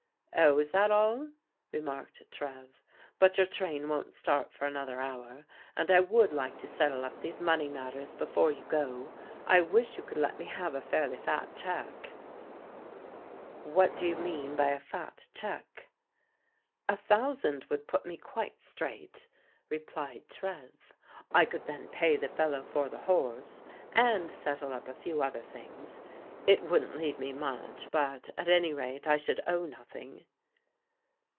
'* Oh, is that all ?" remarked Trev. " But your train won't start for another hour, and I would like to settle up these money matters before you go. I wish you could let me have a fairly fat check." *' What do you mean by a fat check? " A thousand would put me quite straig\il»' t^\^ M 120 PRODIGAL DAUGHTERS Trev. I could then pay the fellow for the horse, and settle up a few other things. It wouldn't leave me much, but at any rate I should owe nothing."